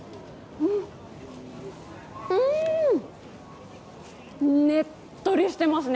うん、うーん、ねっとりしてますね。